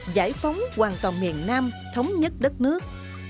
giải phóng hoàn toàn miền nam thống nhất đất nước